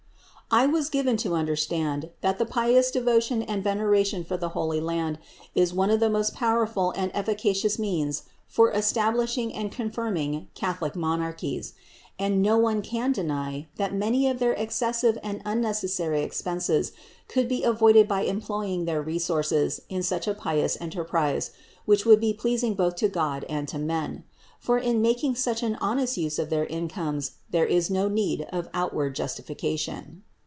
I was given to understand, that the pious devotion and veneration for the Holy Land is one of the most powerful and efficacious means for establishing and confirming Catholic monarchies ; and no one can deny, that many of their excessive and unneces sary expenses could be avoided by employing their re sources in such a pious enterprise, which would be pleas ing both to God and to men; for in making such an honest use of their incomes there is no need of outward justification.